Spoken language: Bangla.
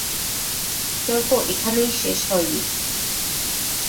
বিতর্ক এখানেই শেষ হয়নি।